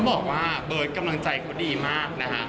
บอกว่าเบิร์ตกำลังใจเขาดีมากนะฮะ